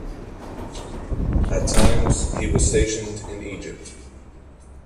At times, he was stationed in Egypt.